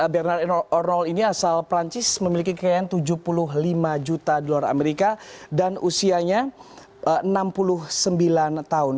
bernard ronald ini asal perancis memiliki kekayaan tujuh puluh lima juta dolar amerika dan usianya enam puluh sembilan tahun